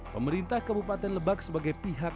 pemerintah kabupaten lebak sebagai pihak